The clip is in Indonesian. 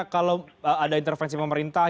kalau ada intervensi pemerintah